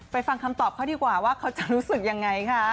ฟังคำตอบเขาดีกว่าว่าเขาจะรู้สึกยังไงคะ